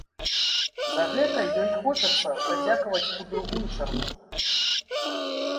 За гэта ёй хочацца падзякаваць у другую чаргу.